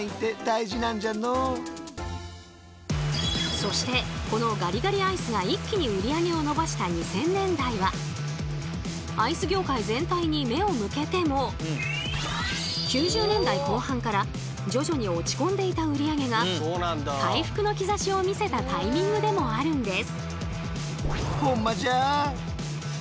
そしてこのガリガリアイスが一気に売り上げを伸ばした２０００年代はアイス業界全体に目を向けても９０年代後半から徐々に落ち込んでいた売り上げが回復の兆しを見せたタイミングでもあるんです！